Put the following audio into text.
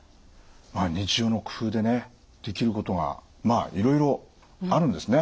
日常の工夫でねできることがまあいろいろあるんですね。